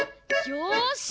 よし！